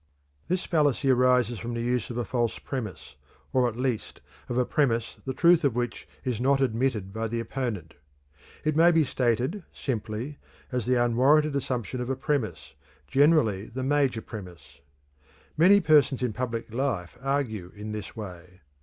_ This fallacy arises from the use of a false premise, or at least of a premise the truth of which is not admitted by the opponent. It may be stated, simply, as "the unwarranted assumption of a premise, generally the major premise." Many persons in public life argue in this way.